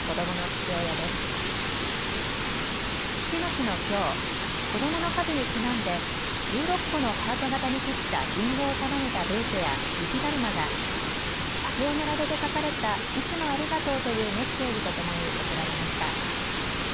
父の日のきょう子どもの数にちなんで１６個のハート型に切ったリンゴを束ねたブーケや雪だるまが、竹を並べて書かれたいつもありがとうというメッセージとともに贈られました。